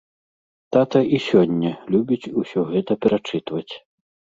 Тата і сёння любіць усё гэта перачытваць.